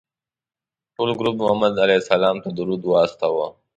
ټول ګروپ محمد علیه السلام ته درود واستوه.